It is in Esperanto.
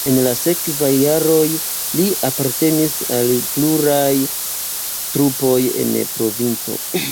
En la sekvaj jaroj li apartenis al pluraj trupoj en provinco.